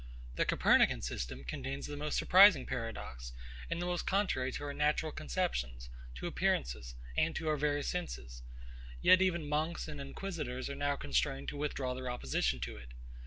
The COPERNICAN system contains the most surprising paradox, and the most contrary to our natural conceptions, to appearances, and to our very senses: yet even monks and inquisitors are now constrained to withdraw their opposition to it.